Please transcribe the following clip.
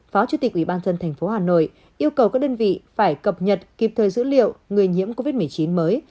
phó chủ tịch ủy ban dân thành phố hà nội yêu cầu các đơn vị phải cập nhật kịp thời dữ liệu người nhiễm covid một mươi chín mới